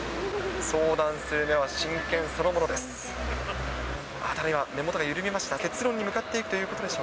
相談する目は真剣そのものです。